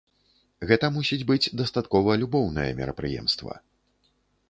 Гэта мусіць быць дастаткова любоўнае мерапрыемства.